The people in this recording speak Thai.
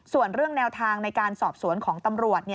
ส่วนเรื่องแนวทางในการสอบสวนของตำรวจ